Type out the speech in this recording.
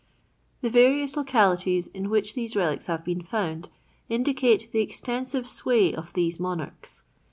The various localities in which these relics have been found indicate the extensive sway of these monarchs.